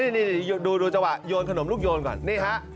นี่ดูจังหวะโยนขนมลูกโยนก่อนนี่ฮะ